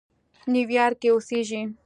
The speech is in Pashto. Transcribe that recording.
نیویارک کې اوسېږي.